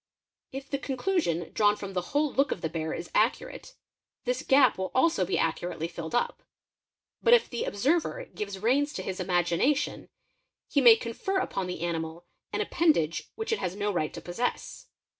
If the conclusion drawn from the whole look of the bear is accurate, this i 'gap will also be accurately filled up, but if the observer gives reins to his imagination, he may confer upon the animal an appendage which it has — noright to possess.